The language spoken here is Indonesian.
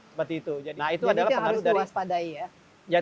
seperti itu nah itu adalah